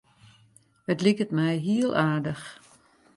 It liket my hiel aardich.